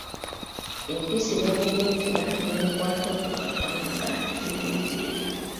Empisi n'emubuukira n'emukwaata okukakkana nga emulidde.